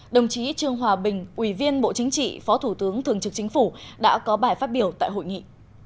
đồng chí trương hòa bình ủy viên bộ chính trị phó thủ tướng thường trực chính phủ đã có bài phát biểu tại hội nghị